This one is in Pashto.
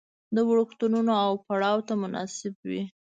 د وړکتونونو او پړاو ته مناسب وي.